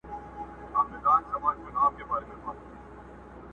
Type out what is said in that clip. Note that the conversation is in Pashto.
یادونه: انځور، قادر خان کښلی دی،